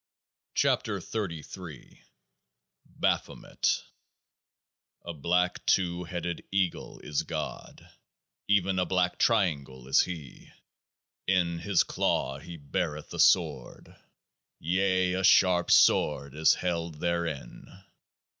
42 KEOAAH Ar BAPHOMET A black two headed Eagle is GOD ; even a Black Triangle is He. In His claws He beareth a sword ; yea, a sharp sword is held therein.